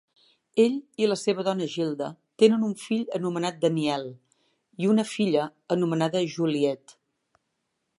Ell i la seva dona Gilda tenen un fill anomenat Daniel i una filla anomenada Juliet.